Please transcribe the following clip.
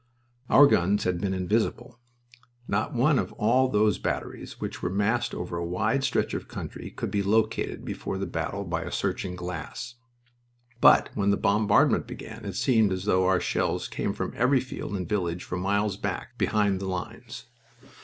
Our guns had been invisible. Not one of all those batteries which were massed over a wide stretch of country could be located before the battle by a searching glass. But when the bombardment began it seemed as though our shells came from every field and village for miles back, behind the lines.